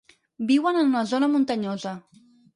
Viuen en una zona muntanyosa.